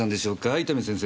伊丹先生。